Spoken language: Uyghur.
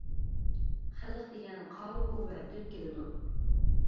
خەلق دېگەن قارىغۇ ۋە دۆت كېلىدۇ.